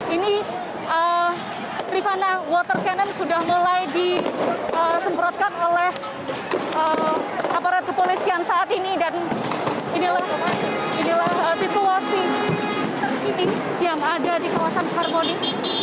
ini rifana water cannon sudah mulai disemprotkan oleh aparat kepolisian saat ini dan inilah situasi terkini yang ada di kawasan harmoni